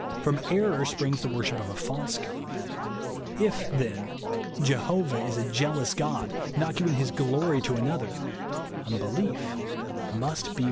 From error springs the worship of a false God. If, then, Jehovah is a jealous God, not giving his glory BELIEVE JUST KOW.